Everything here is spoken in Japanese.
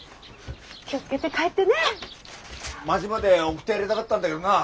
町まで送ってやりたがったんだげどなあ。